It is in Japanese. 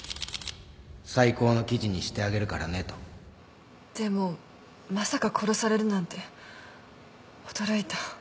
最高の記事にしてあげるからねとでもまさか殺されるなんて驚いた。